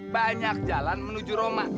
banyak jalan menuju roma